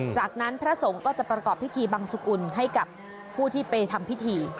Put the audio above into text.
จากนั้นพระสงฆ์ก็จะประกอบพิธีบังสุกุลให้กับผู้ที่ไปทำพิธี